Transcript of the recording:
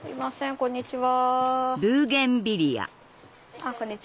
こんにちは。